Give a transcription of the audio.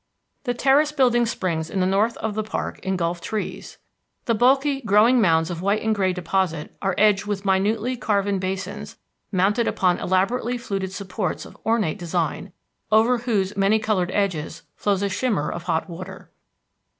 The terrace building springs in the north of the park engulf trees. The bulky growing mounds of white and gray deposit are edged with minutely carven basins mounted upon elaborately fluted supports of ornate design, over whose many colored edges flows a shimmer of hot water.